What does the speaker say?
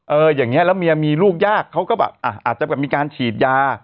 อย่างนี้แล้วเมียมีลูกยากเขาก็แบบอ่ะอาจจะแบบมีการฉีดยา